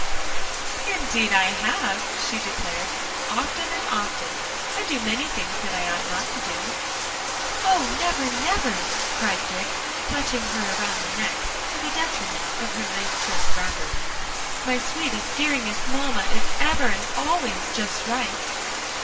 "Indeed I have," she declared; "often and often, I do many things that I ought not to do" "Oh! never, never," cried Dick, clutching her around the neck, to the detriment of her lace trimmed wrapper. "My sweetest, dearingest mamma is ever and always just right."